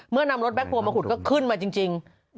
เมื่อนำรถแบ็คโฟล์มาขุดก็ขึ้นมาจริง